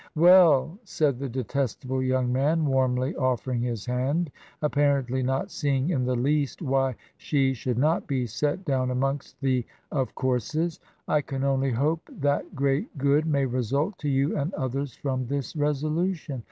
" Well !" said the detestable young man, warmly offer ing his hand, apparently not seeing in the least why she should not be set down amongst the " of courses." " I can only hope that great good may result to you and others from this resolution.